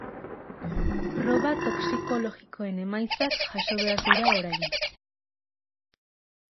Proba toxikologikoen emaitzak jaso behar dira orain.